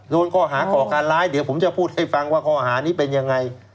โดนข้อหาก่อการร้ายเดี๋ยวผมจะพูดให้ฟังว่าข้อหานี้เป็นยังไง